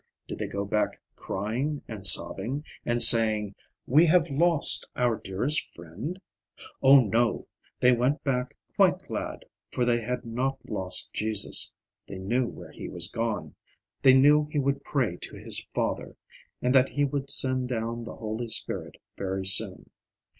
Did they go back crying and sobbing, and saying, "We have lost our dearest friend?" Oh, no; they went back quite glad, for they had not lost Jesus; they knew where he was gone; they knew he would pray to his Father, and that he would send down the Holy Spirit very soon.